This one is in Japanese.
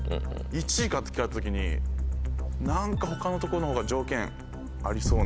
１位かって聞かれた時に何か他のとこの方が条件ありそうな。